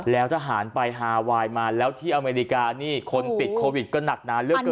แล้วทหารไปฮาไวน์มาแล้วที่อเมริกานี่คนติดโควิดก็หนักหนาเหลือเกิน